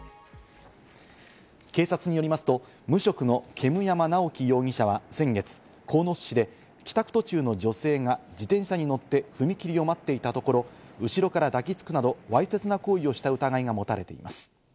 警察によりますと、無職の煙山直樹容疑者は先月、鴻巣市で帰宅途中の女性が自転車に乗って踏切を待っていたところ、後ろから抱き付くなど、わいせつな行為をした疑いが持たれています。